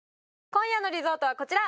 今夜のリゾートはこちら！